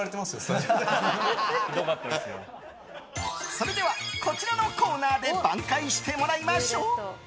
それでは、こちらのコーナーで挽回してもらいましょう。